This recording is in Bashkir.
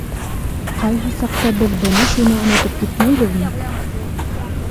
Ҡайһы саҡта беҙ бына шуны онотоп китмәйбеҙме?